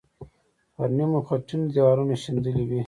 پر نیمه خټینو دیوالونو شیندلې وې.